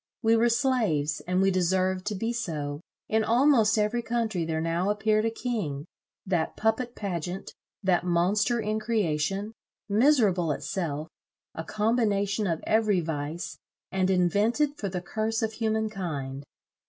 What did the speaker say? We were slaves, and we deserved to be so. In almost every country there now appeared a king, that puppet pageant, that monster in creation, miserable itself, a combination of every vice, and invented for the curse of human kind.